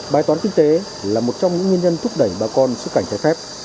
bài toán kinh tế là một trong những nguyên nhân thúc đẩy bà con xuất cảnh trái phép